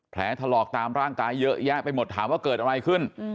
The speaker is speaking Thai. ถลอกตามร่างกายเยอะแยะไปหมดถามว่าเกิดอะไรขึ้น